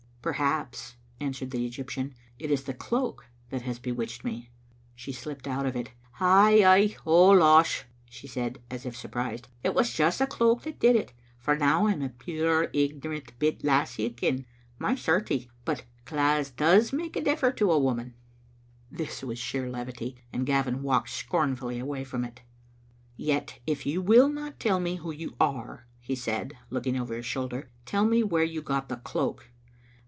"Perhaps," answered the Egyptian, "it is the cloak that has bewitched me." She slipped out of it. "Ay, ay, ou losh !" she said, as if surprised, " it was just the cloak that did it, for now I'm a puir ignorant bit lassie again. My, certie, but claithes does make a differ to a woman !" This was sheer levity, and Gavin walked scornfully away from it "Yet, if you will not tell me who you are," he said, looking over his shoulder, " tell me where you got the cloak."